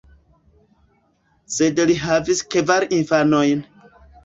Sed li havis kvar infanojn.